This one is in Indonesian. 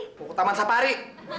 mau ke taman safari